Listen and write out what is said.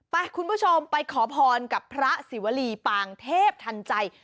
คุณผู้ชมไปขอพรกับพระศิวรีปางเทพทันใจ